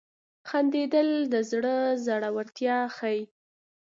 • خندېدل د زړه زړورتیا ښيي.